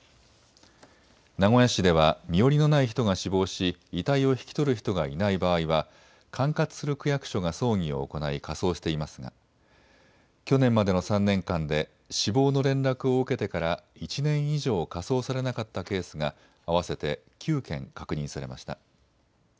名古屋市では身寄りのない人が死亡し遺体を引き取る人がいない場合は管轄する区役所が葬儀を行い、火葬していますが去年までの３年間で死亡の連絡を受けてから１年以上火葬されなかったケースが合わせて９件確認されました。